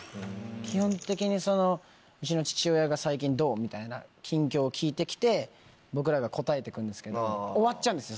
基本的にうちの父親が「最近どう？」みたいな近況を聞いて来て僕らが答えて行くんですけど終わっちゃうんですよ